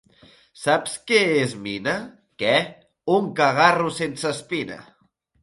Saps què és mina? —Què? —Un cagarro sense espina!